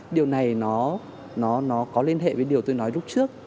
điều này nó có liên hệ với điều tôi nói lúc trước